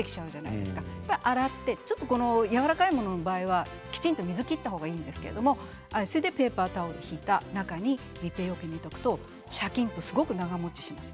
ちょっと洗ってやわらかいものの場合は、きちんと水を切った方がいいんですけどそれでペーパータオルを敷いた密閉容器の中に入れておくとシャキッと長もちします。